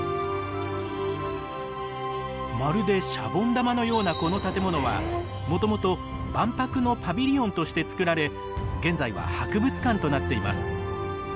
まるでシャボン玉のようなこの建物はもともと万博のパビリオンとして作られ現在は博物館となっています。